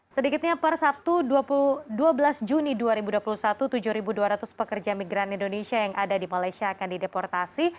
sedikitnya per sabtu dua belas juni dua ribu dua puluh satu tujuh dua ratus pekerja migran indonesia yang ada di malaysia akan dideportasi